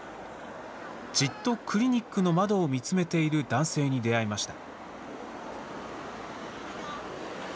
じっとクリニックの窓を見つめている男性に出会いました。